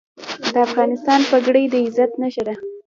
د افغانستان پګړۍ د عزت نښه ده